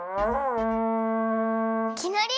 いきなり！？